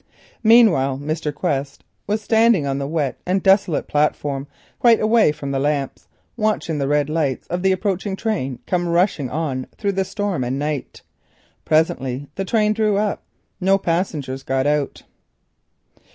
Meanwhile Mr. Quest was standing on the wet and desolate platform quite away from the lamps, watching the white lights of the approaching train rushing on through the storm and night. Presently it drew up. No passengers got out.